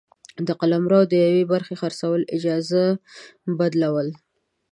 د قلمرو د یوې برخي خرڅول ، اجاره ، بدلول،